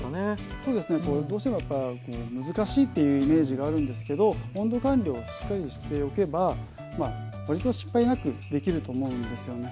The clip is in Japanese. そうですねどうしても難しいというイメージがあるんですけど温度管理をしっかりしておけば割と失敗なくできると思うんですよね。